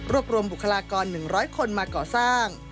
รวมบุคลากร๑๐๐คนมาก่อสร้าง